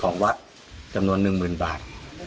ของวัดจำนวนหนึ่งหมื่นบาท